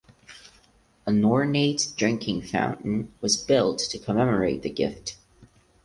An ornate drinking fountain was built to commemorate the gift.